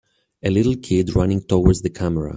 A little kid running towards the camera.